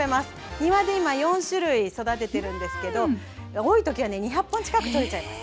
庭で今４種類育ててるんですけど多いときはね２００本近くとれちゃいます。